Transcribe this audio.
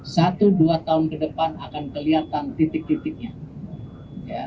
satu dua tahun ke depan akan kelihatan titik titiknya